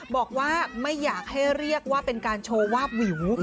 บอกว่าไม่อยากให้เรียกว่าเป็นการโชว์วาบวิว